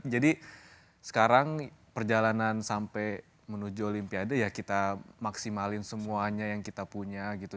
jadi sekarang perjalanan sampai menuju olimpiade ya kita maksimalin semuanya yang kita punya gitu